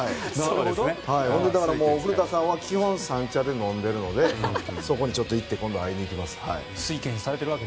古田さんは基本、三茶で飲んでるのでそこに今度、会いに行きます。